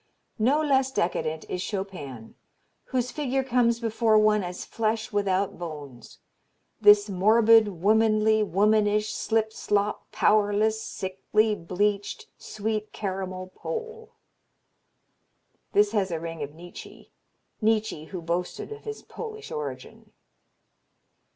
No less decadent is Chopin, whose figure comes before one as flesh without bones, this morbid, womanly, womanish, slip slop, powerless, sickly, bleached, sweet caramel Pole!" This has a ring of Nietzsche Nietzsche who boasted of his Polish origin.